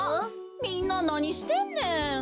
みんななにしてんねん。